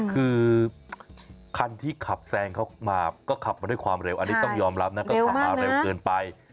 คือคันที่ขับแซงเขามาก็ขับมาด้วยความเร็วอันนี้ต้องยอมรับนะก็ขับมาเร็วเกินไป